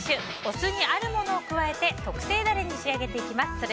お酢にあるものを加えて特製ダレに仕上げていきます。